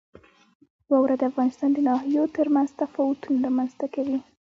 واوره د افغانستان د ناحیو ترمنځ تفاوتونه رامنځته کوي.